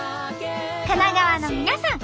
神奈川の皆さん